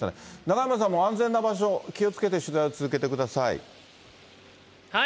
中山さんも安全な場所、気をつけて取材を続けてください。